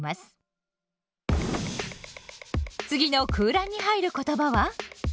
次の空欄に入る言葉は？